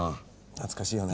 懐かしいよね。